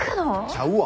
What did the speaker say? ちゃうわ！